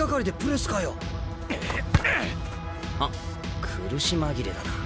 あっ苦し紛れだな。